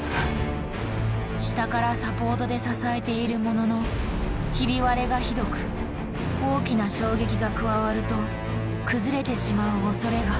下からサポートで支えているもののひび割れがひどく大きな衝撃が加わると崩れてしまうおそれが。